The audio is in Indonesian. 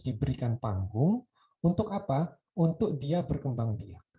diberikan panggung untuk apa untuk dia berkembang biak